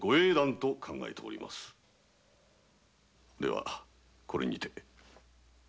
ではこれにて。